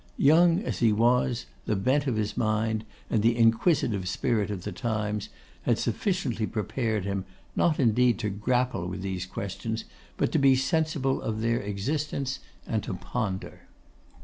Young as he was, the bent of his mind, and the inquisitive spirit of the times, had sufficiently prepared him, not indeed to grapple with these questions, but to be sensible of their existence, and to ponder.